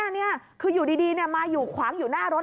นี่คืออยู่ดีมาอยู่ขวางอยู่หน้ารถ